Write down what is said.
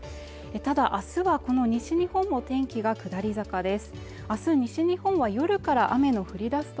ただ明日はこの西日本も天気が下り坂です